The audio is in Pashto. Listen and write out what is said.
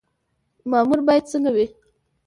مامور باید څنګه وي؟